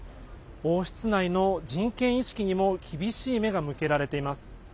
王室内の人権意識にも厳しい目が向けられています。